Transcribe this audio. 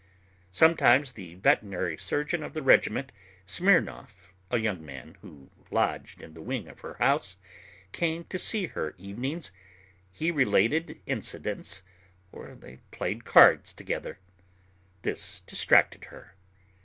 Sometimes the veterinary surgeon of the regiment, Smirnov, a young man who lodged in the wing of her house, came to see her evenings. He related incidents, or they played cards together. This distracted her.